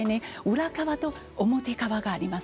裏側と表側があります。